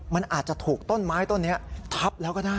มันอาจจะถูกต้นไม้ต้นนี้ทับแล้วก็ได้